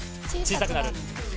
小さくなる。